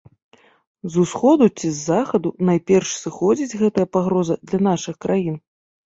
З усходу ці з захаду найперш сыходзіць гэтая пагроза для нашых краін?